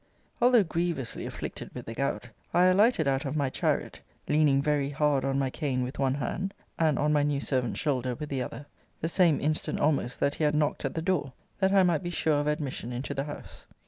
Although grievously afflicted with the gout, I alighted out of my chariot (leaning very hard on my cane with one hand, and on my new servant's shoulder with the other) the same instant almost that he had knocked at the door, that I might be sure of admission into the house.